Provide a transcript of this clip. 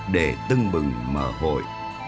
để tưng bừng mở hội